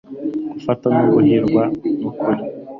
gufata no guhirwa nukuri